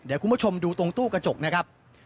เดี๋ยวคุณผู้ชมดูตรงตู้กระจกนะครับ